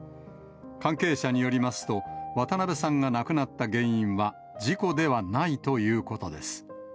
関係者によりますと、渡辺さんが亡くなった原因は、事故ではないということです。